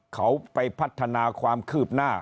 เขาไปพัฒนาความคืบหน้า